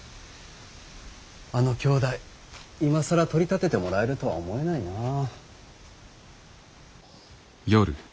あの兄弟今更取り立ててもらえるとは思えないなあ。